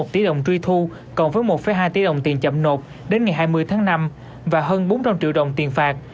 một tỷ đồng truy thu còn với một hai tỷ đồng tiền chậm nộp đến ngày hai mươi tháng năm và hơn bốn trăm linh triệu đồng tiền phạt